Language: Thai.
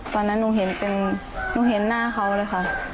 ตอนนั้นหนูเห็นเป็นหนูเห็นหน้าเขาเลยค่ะ